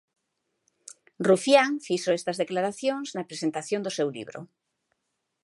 Rufián fixo estas declaracións na presentación do seu libro.